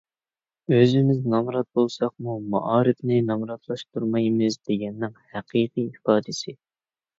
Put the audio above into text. ئۆزىمىز نامرات بولساقمۇ مائارىپنى نامراتلاشتۇرمايمىز دېگەننىڭ ھەقىقىي ئىپادىسى